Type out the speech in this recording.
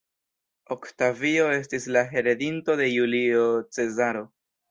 Oktavio estis la heredinto de Julio Cezaro.